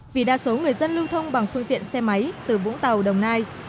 vì đa số người dân lưu thông bằng phương tiện xe máy từ vũng tàu đồng nai